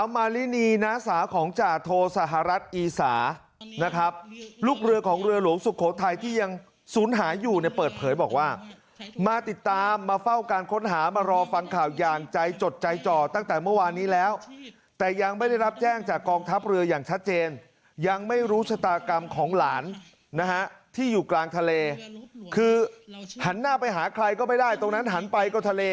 มารินีน้าสาวของจาโทสหรัฐอีสานะครับลูกเรือของเรือหลวงสุโขทัยที่ยังศูนย์หายอยู่เนี่ยเปิดเผยบอกว่ามาติดตามมาเฝ้าการค้นหามารอฟังข่าวอย่างใจจดใจจ่อตั้งแต่เมื่อวานนี้แล้วแต่ยังไม่ได้รับแจ้งจากกองทัพเรืออย่างชัดเจนยังไม่รู้ชะตากรรมของหลานนะฮะที่อยู่กลางทะเลคือหันหน้าไปหาใครก็ไม่ได้ตรงนั้นหันไปก็ทะเล